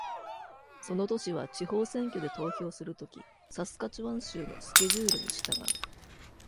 その都市は地方選挙で投票するとき、サスカチュワン州のスケジュールに従う。